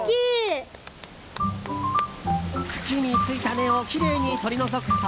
茎についた根をきれいに取り除くと。